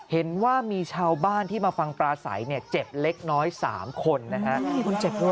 เห็นว่ามีชาวบ้านที่มาฟังปลาใสเนี่ยเจ็บเล็กน้อย๓คนนะฮะ